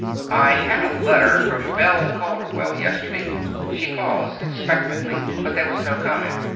"I had a letter from Belle Calderwell, yesterday." She paused expectantly, but there was no comment.